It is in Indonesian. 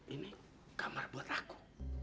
ini kamar buat aku